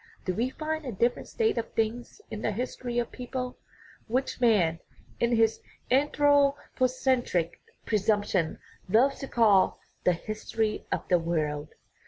Do we find a different state of things in the history of peoples, which man, in his anthropocentric presump tion, loves to call "the history of the world"?